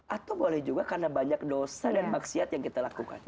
atau boleh juga karena banyak dosa dan maksiat yang kita lakukan